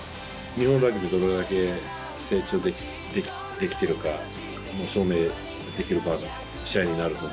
日本ラグビーがどれだけ成長できているか証明できる試合になると